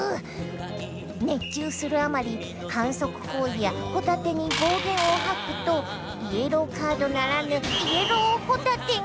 熱中するあまり反則行為やホタテに暴言を吐くとイエローカードならぬイエローホタテが！